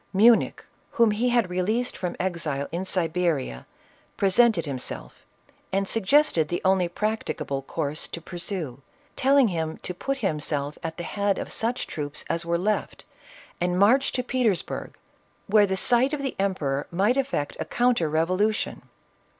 Munich, whom he had released from exile in Siberia, presented himself and suggested the only practicable course to pursue, telling him to put himself at the head of such troops as were left and march to Petersburg, where the sight of the emperor might effect a counter revolution.